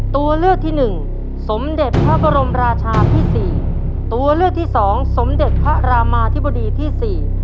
ตัวเลือกที่หนึ่งสมเด็จพระบรมราชาที่สี่ตัวเลือกที่สองสมเด็จพระรามาธิบดีที่สี่